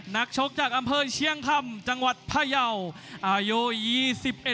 นักชกจากอัมเมอร์เชียงทำจังหวัดพระยาวยาย๒๖ปี